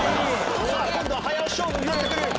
さあ今度は早押し勝負になってくる。